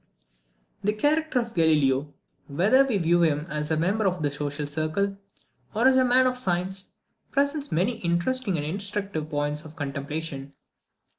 The character of Galileo, whether we view him as a member of the social circle, or as a man of science, presents many interesting and instructive points of contemplation.